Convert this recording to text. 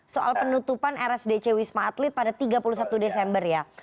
soal penutupan rsdc wisma atlet pada tiga puluh satu desember ya